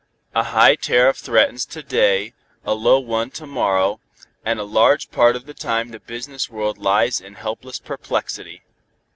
"A high tariff threatens to day, a low one to morrow, and a large part of the time the business world lies in helpless perplexity.